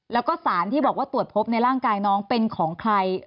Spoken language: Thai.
แล้วก็สารที่บอกว่าตรวจพบในร่างกายน้องเป็นของใคร